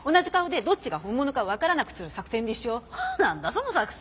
何だその作戦。